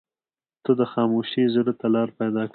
• ته د خاموشۍ زړه ته لاره پیدا کړې.